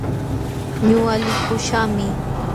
Ñuqa likuśhaqmi.